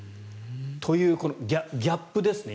というギャップですね。